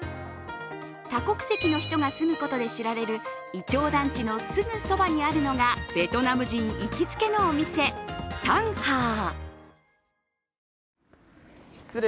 多国籍の人が住むことで知られるいちょう団地のすぐそばにあるのがベトナム人行きつけのお店、タンハー。